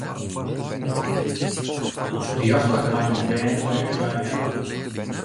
De rjochter hat ús bern by ús wei helle.